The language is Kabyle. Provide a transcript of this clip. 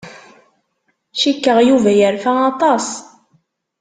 Cikkeɣ Yuba yerfa aṭas.